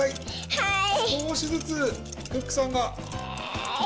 はい！